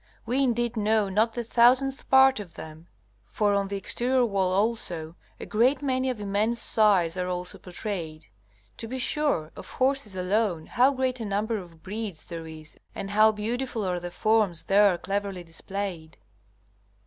We indeed know not the thousandth part of them, for on the exterior wall also a great many of immense size are also portrayed. To be sure, of horses alone, how great a number of breeds there is and how beautiful are the forms there cleverly displayed!